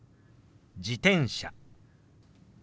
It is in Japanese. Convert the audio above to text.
「自転車」。